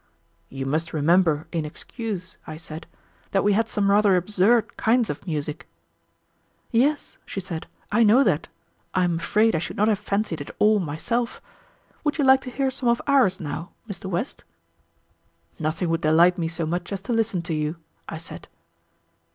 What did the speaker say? "You must remember, in excuse," I said, "that we had some rather absurd kinds of music." "Yes," she said, "I know that; I am afraid I should not have fancied it all myself. Would you like to hear some of ours now, Mr. West?" "Nothing would delight me so much as to listen to you," I said.